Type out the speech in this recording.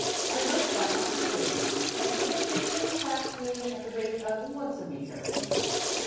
I wrote that last spring, and it has been coming back to me at the rate of once a week ever since."